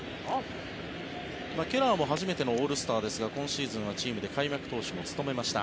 ケラーも初めてのオールスターですが今シーズンはチームで開幕投手も務めました。